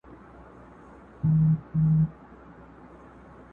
تر خپل ځان پسته لكۍ يې كړله لاندي،